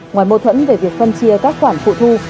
ngoài mâu thuẫn về việc phân chia các khoản phụ thu